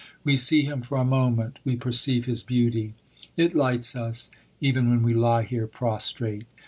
We see Him for a moment we perceive His beauty. It lights us, even when we lie here prostrate....